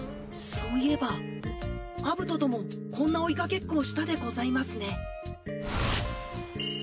そういえばアブトともこんな追いかけっこをしたでございますね